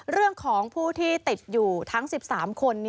เรื่องของผู้ที่ติดอยู่ทั้ง๑๓คน